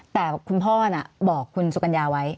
แต่คุณพ่อบอกคุณสุกัญญาไว้